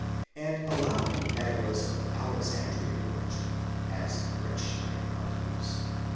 ®; and allowing that it was of Alexandrian origin, as Bretschneider argues